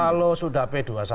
kalau sudah p dua puluh satu